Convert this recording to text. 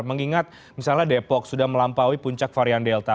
mengingat misalnya depok sudah melampaui puncak varian delta